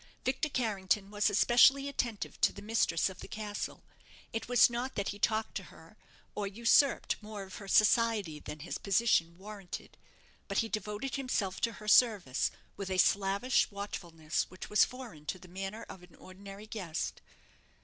Victor Carrington was especially attentive to the mistress of the castle. It was not that he talked to her, or usurped more of her society than his position warranted; but he devoted himself to her service with a slavish watchfulness which was foreign to the manner of an ordinary guest.